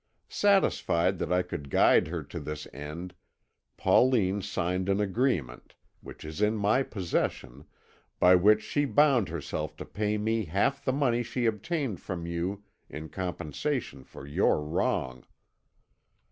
Satisfied that I could guide her to this end, Pauline signed an agreement, which is in my possession, by which she bound herself to pay me half the money she obtained from you in compensation for your wrong.